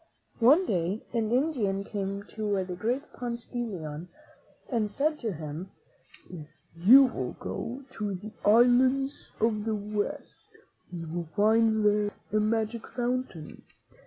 One day an Indian came to the great Ponce de Leon and said to him, " If you will go to the islands of the West you will find there a magic fountain.